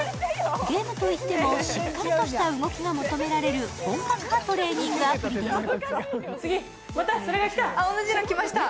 ゲームといってもしっかりとした動きが求められる本格派トレーニングアプリです。